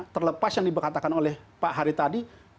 terlepas yang dikatakan oleh pak hari tadi